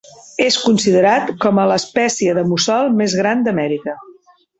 És considerat com a l'espècie de mussol més gran d'Amèrica.